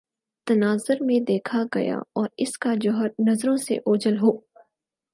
تناظرمیں دیکھا گیا اور اس کا جوہرنظروں سے اوجھل ہو